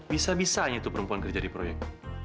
bisa bisa aja tuh perempuan kerja di proyek